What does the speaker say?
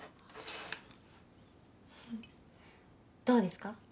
どうですか？